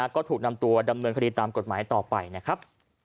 ก็ถูกนำตัวดำเนินคดีตามกฎหมายต่อไปนะครับ